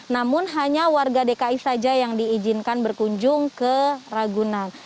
namun hanya warga dki saja yang diizinkan berkunjung ke ragunan